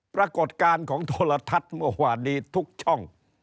ปรากฏการณ์ของโทรทัศน์มหว่าดีทุกช่อง